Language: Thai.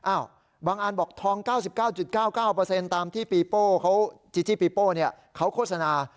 อ้าวบางอันบอกทอง๙๙๙๙ตามที่จิจิปิโป้เขาโฆษณา